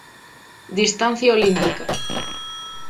Distancia olímpica.